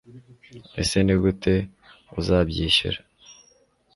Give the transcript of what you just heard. Ese Nigute uzabyishyura